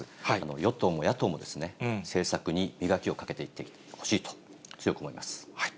与党も野党も政策に磨きをかけていってほしいと強く思います。